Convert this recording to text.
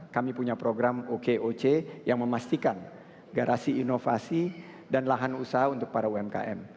kami punya program okoc yang memastikan garasi inovasi dan lahan usaha untuk para umkm